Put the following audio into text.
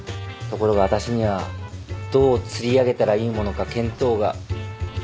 ところがあたしにはどう釣り上げたらいいものか見当が。